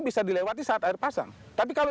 bisa dilewati saat air pasang tapi kalau